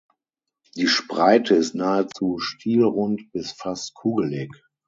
Die Spreite ist nahezu stielrund bis fast kugelig.